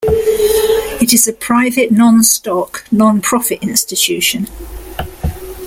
It is a private, non-stock, nonprofit institution.